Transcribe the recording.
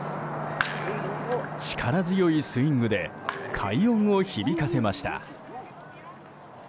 力強いスイングで快音を響かせました。